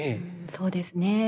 そうですね。